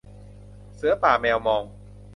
เสือป่าแมวมอง